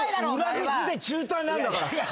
裏口で中退なんだから。